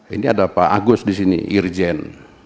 ini ada pak agus di sini irjen